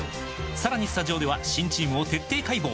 さらにスタジオでは新チームを徹底解剖！